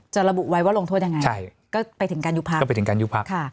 จะระบุไว้ว่าลงโทษยังไงก็ไปถึงการยุคพรรค